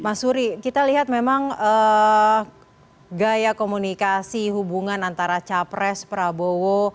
mas suri kita lihat memang gaya komunikasi hubungan antara capres prabowo